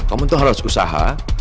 kamu tuh harus usaha